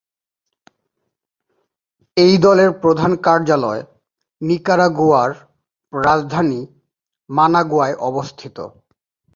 এই দলের প্রধান কার্যালয় নিকারাগুয়ার রাজধানী মানাগুয়ায় অবস্থিত।